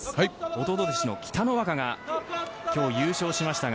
弟弟子の北の若が今日優勝しましたが。